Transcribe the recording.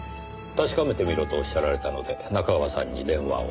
確かめてみろと仰られたので仲川さんに電話を。